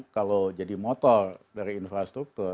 kalau jadi motor dari infrastruktur